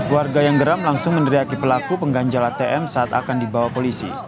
warga yang geram langsung meneriaki pelaku pengganjal atm saat akan dibawa polisi